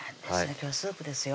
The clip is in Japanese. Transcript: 今日はスープですよ